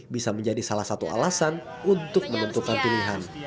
bisa menjadi salah satu alasan untuk menentukan pilihan